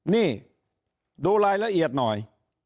นี่ดูรายละเอียดหน่อย